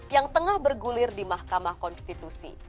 yang tengah bergulir di mahkamah konstitusi